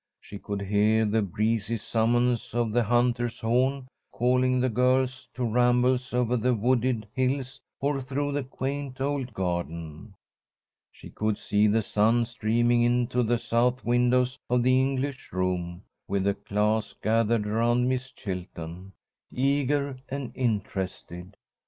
She could hear the breezy summons of the hunter's horn, calling the girls to rambles over the wooded hills or through the quaint old garden. She could see the sun streaming into the south windows of the English room, with the class gathered around Miss Chilton, eager and interested.